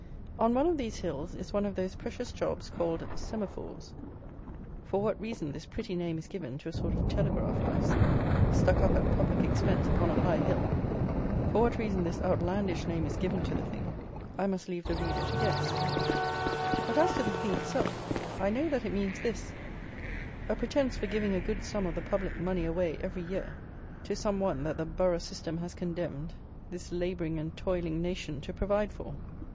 On one of these hills is one of those precious jobs, called "Semaphores." For what reason this pretty name is given to a sort of Telegraph house, stuck up at public expense upon a high hill; for what reason this outlandish name is given to the thing, I must leave the reader to guess; but as to the thing itself; I know that it means this: a pretence for giving a good sum of the public money away every year to some one that the Borough system has condemned this labouring and toiling nation to provide for.